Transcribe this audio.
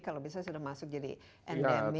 kalau misalnya sudah masuk jadi endemik